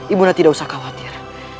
ibunda tidak usah khawatir